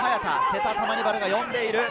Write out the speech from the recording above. セタ・タマニバルが呼んでいる。